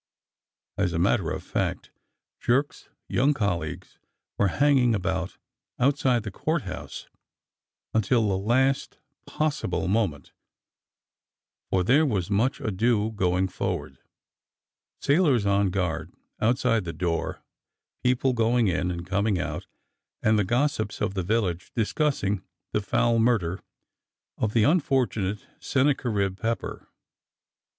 As a matter of fact, Jerk's young colleagues were hang ing about outside the Court House until the last pos n 78 DOCTOR SYN sible moment, for there was much ado going forward, sailors on guard outside the door, people going in and coming out, and the gossips of the village discussing the foul murder of the unfortunate Sennacherib Pepper.